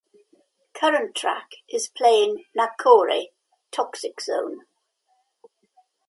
Current track is playing, "Nakkore - Toxic Zone".